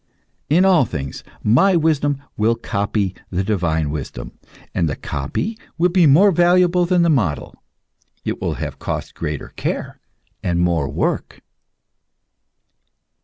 In all things my wisdom will copy the divine wisdom, and the copy will be more valuable than the model; it will have cost greater care and more work.